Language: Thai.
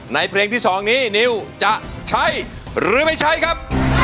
เพลงที่๒นี้นิวจะใช้หรือไม่ใช้ครับ